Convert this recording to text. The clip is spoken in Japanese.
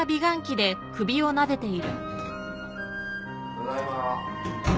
ただいま。